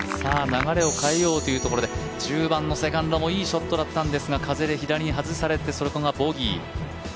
流れを変えようというところで１０番のセカンドもいいショットだったんですけど風で左に外されてボギー。